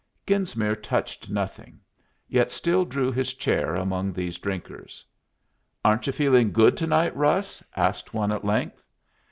Genesmere touched nothing, yet still drew his chair among these drinkers. "Aren't you feeling good to night, Russ?" asked one at length.